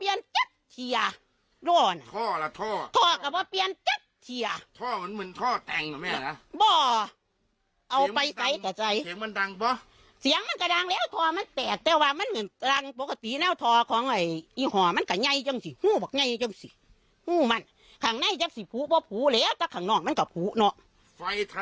อยู่กันมั่นทางในเจ้าปอภูปอภูเลยแบบน้องมันก้อภูเนอะ